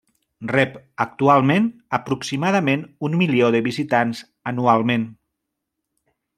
Rep actualment aproximadament un milió de visitants anualment.